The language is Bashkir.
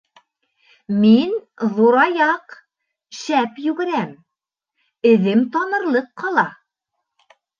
Мин, Ҙур Аяҡ, шәп йүгерәм, әҙем танырлыҡ ҡала.